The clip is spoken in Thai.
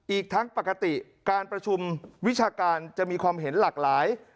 อีกทั้งปกติการประชุมวิชาการจะมีความเห็นหลากหลาย